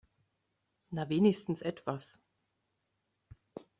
Na, wenigstens etwas.